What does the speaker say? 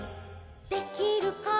「できるかな」